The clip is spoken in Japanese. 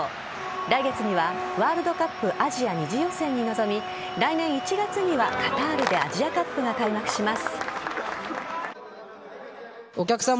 来月にはワールドカップアジア２次予選に臨み来年１月には、カタールでアジアカップが開幕します。